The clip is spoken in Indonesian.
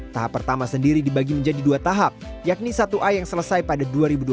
tahap pertama sendiri dibagi menjadi dua tahap yakni satu a yang selesai pada dua ribu dua puluh